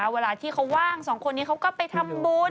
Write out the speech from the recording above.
เวลาที่คัว้างสองคนก็ไปทำบุญ